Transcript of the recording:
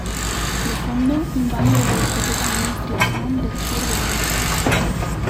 De fondo, un baño de la discoteca Ministry of Sound, del sur de Londres.